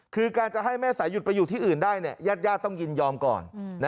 คือการจะให้แม่สายุดไปอยู่ที่อื่นได้ญาติต้องยินยอมก่อน